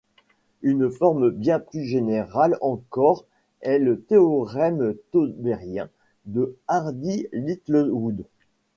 Une forme bien plus générale encore est le théorème taubérien de Hardy-Littlewood.